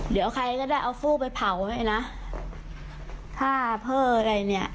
เดี๋ยวใครก็ได้เอาฟู้ไปเผาให้นะถ้าพ่ออะไรเนี่ย